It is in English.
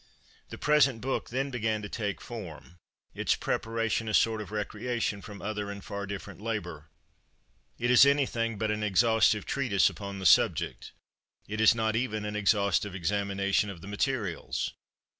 The present book then began to take form its preparation a sort of recreation from other and far different labor. It is anything but an exhaustive treatise upon the subject; it is not even an exhaustive examination of the materials.